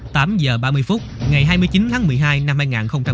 tại câu lạc bộ kê quyền khi cuộc chơi đã được diễn ra gần một tiếng và đang bước vào cao trào